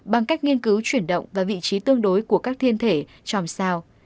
bằng cách nghiên cứu chuyển động và vị trí tương đối của các thiên thể tròm sao